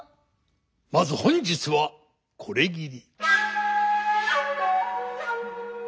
まず本日はこれぎり。